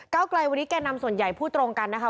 เก้าไกลวันนี้แก่นำส่วนใหญ่พูดตรงกันนะคะ